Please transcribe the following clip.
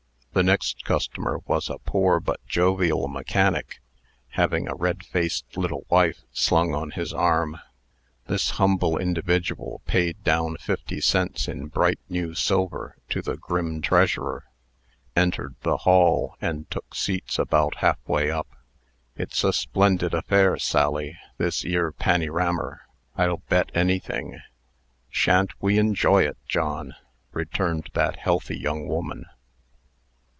The next customer was a poor but jovial mechanic, having a red faced little wife slung on his arm. This humble individual paid down fifty cents in bright new silver to the grim treasurer, entered the hall, and took seats about halfway up. "It's a splendid affair, Sally, this 'ere pannyrammer, I'll bet anything." "Sha'n't we enjoy it, John!" returned that healthy young woman.